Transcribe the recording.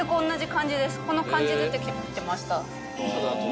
この漢字出てきてました。